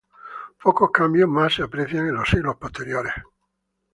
Pocos cambios más se aprecian en los siglos posteriores.